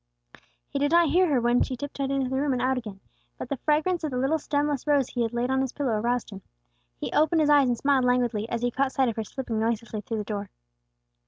He did not hear her when she tiptoed into the room and out again; but the fragrance of the little stemless rose she laid on his pillow aroused him. He opened his eyes and smiled languidly, as he caught sight of her slipping noiselessly through the door.